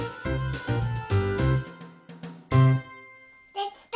できた！